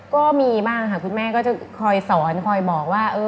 ก็มีบ้างค่ะคุณแม่ก็จะคอยสอนคอยบอกว่า